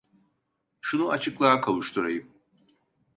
Şunu açıklığa kavuşturayım.